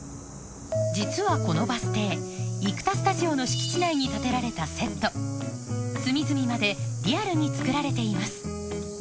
実はこのバス停生田スタジオの敷地内に建てられたセット隅々までリアルに作られています